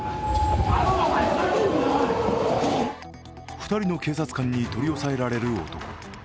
２人の警察官に取り押さえられる男。